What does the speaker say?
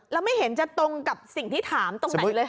แล้วไม่เห็นจะตรงกับสิ่งที่ถามตรงไหนเลย